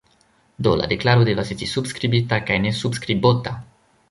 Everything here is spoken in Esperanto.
Do, la deklaro devas esti subskribita kaj ne subskribota.